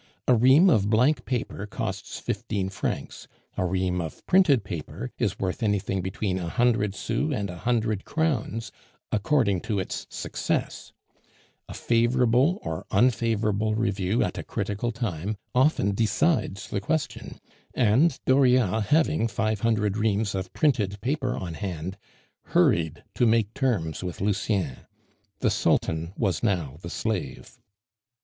A ream of blank paper costs fifteen francs, a ream of printed paper is worth anything between a hundred sous and a hundred crowns, according to its success; a favorable or unfavorable review at a critical time often decides the question; and Dauriat having five hundred reams of printed paper on hand, hurried to make terms with Lucien. The sultan was now the slave.